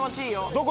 どこ？